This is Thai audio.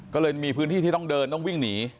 ก็เลยมีพื้นที่ที่ต้องเดินต้องวิ่งหนี